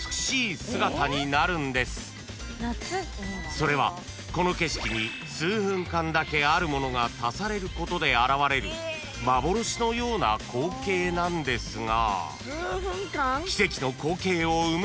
［それはこの景色に数分間だけあるものが足されることで現れる幻のような光景なんですが］